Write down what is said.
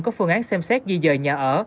có phương án xem xét di dời nhà ở